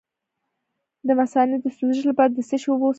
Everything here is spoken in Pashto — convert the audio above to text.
د مثانې د سوزش لپاره د څه شي اوبه وڅښم؟